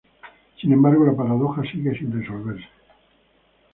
Sin embargo, la paradoja sigue sin resolverse.